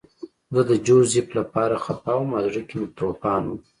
زه د جوزف لپاره خپه وم او زړه کې مې توپان و